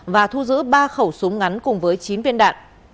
và thu giữ ba khẩu súng ngắn cùng với chín viên đạn